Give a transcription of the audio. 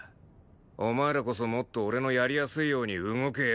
お前らこそもっと俺のやりやすいように動けよ。